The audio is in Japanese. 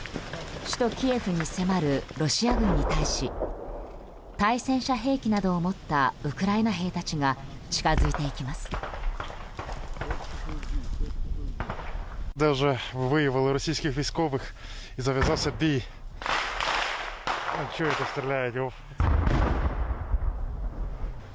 首都キエフに迫るロシア軍に対し対戦車兵器などを持ったウクライナ兵たちが近づいていきます。